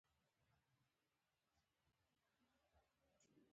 د غوټیو ورتولو ته ډنډار وایی.